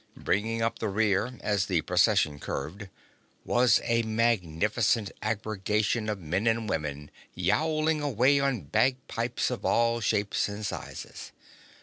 Bringing up the rear, as the Procession curved, was a magnificent aggregation of men and women yowling away on bagpipes of all shapes and sizes.